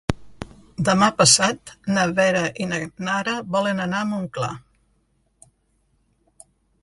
Demà passat na Vera i na Nara volen anar a Montclar.